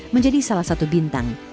menjadi salah satu bintang